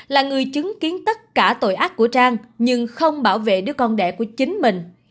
là người chứng kiến tất cả tội ác của trang nhưng không bảo vệ đứa con đẻ của chính mình